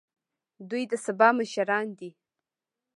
دوی د سبا مشران دي